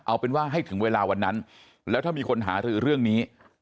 เอาเป็นว่าให้ถึงเวลาวันนั้นแล้วถ้ามีคนหารือเรื่องนี้